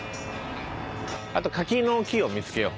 あと柿の木を見つけよう。